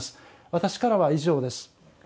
私からは以上です。